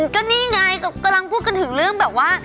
ก็นี่ไงกำลังพูดกันถึงเรื่องแบบว่า